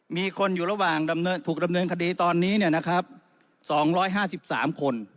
มีคนอยู่ระหว่างถูกดำเนินคดีตอนนี้เนี่ยนะครับ๒๕๓คน